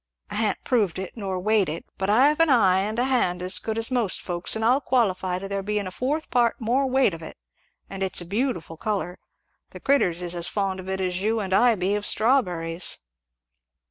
I ha'n't proved it nor weighed it, but I've an eye and a hand as good as most folks', and I'll qualify to there being a fourth part more weight of it; and it's a beautiful colour. The critters is as fond of it as you and I be of strawberries."